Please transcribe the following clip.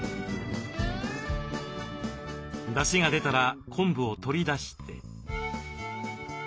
出汁が出たら昆布を取り出して。